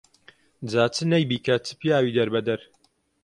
جا چ نەی بیکا چ پیاوی دەربەدەر